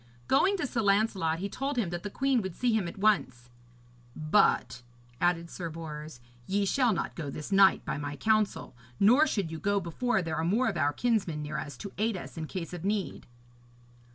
Going to Sir Lancelot, he told him that the queen would see him at once; 'but,' added Sir Bors, 'ye shall not go this night by my counsel, nor should you go before there are more of our kinsmen near us to aid us in case of need.'